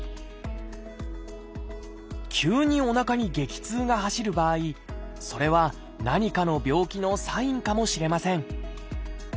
急におなかに激痛が走る場合それは何かの病気のサインかもしれません。